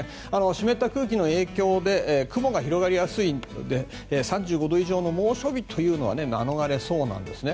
湿った空気の影響で雲が広がりやすく３５度以上の猛暑日というのは免れそうなんですね。